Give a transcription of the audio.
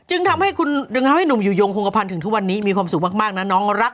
ทำให้คุณดึงทำให้หนุ่มอยู่ยงคงกระพันธ์ถึงทุกวันนี้มีความสุขมากนะน้องรัก